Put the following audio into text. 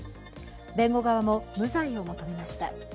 弁護側も無罪を求めました。